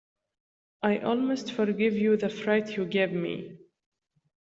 I almost forgive you the fright you gave me!